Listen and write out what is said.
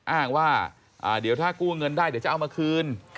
อ้างว่าเดี๋ยวถ้ากู้เงินได้เดี๋ยวจะเอามาคืน